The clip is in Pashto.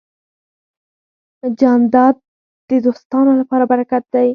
جانداد د دوستانو لپاره برکت دی.